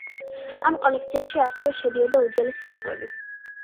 ამ კოლექციაში ასევე შედიოდა უძველესი ცეკვები.